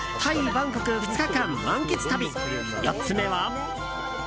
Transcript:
・バンコク２日間満喫旅４つ目は。